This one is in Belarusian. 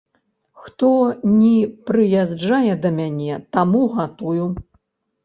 Хто ні прыязджае да мяне, таму гатую.